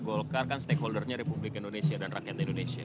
volkar kan stakeholder nya republik indonesia dan rakyat indonesia